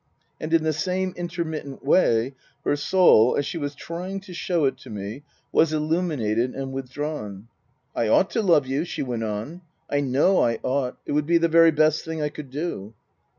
And in the same intermittent way, her soul, as she was trying to show it to me, was illuminated and withdrawn. " I ought to love you," she went on. "I know I ought. It would be the very best thing I could do."